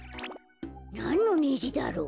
なんのねじだろう？